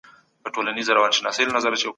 فرد به له يوازيتوب خلاص سي.